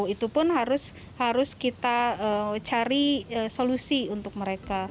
itu pun harus kita cari solusi untuk mereka